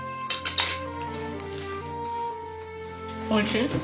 おいしい？